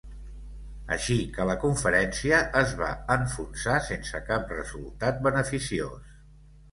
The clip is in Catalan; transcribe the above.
Així que la conferència es va enfonsar sense cap resultat beneficiós.